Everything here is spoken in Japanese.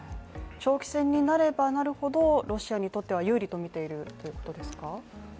長期戦になればなるほどロシアにとっては有利になるとみているということですか？